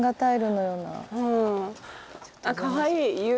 かわいい「ゆ」。